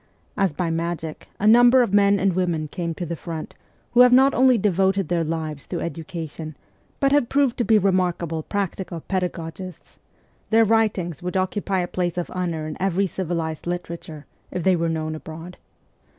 As by magic a number of men and women came to the front who have not only devoted their lives to education, but have proved to be remarkable practical pedagogists : their writings would occupy a place of honour in every civilized literature, if they were known abroad.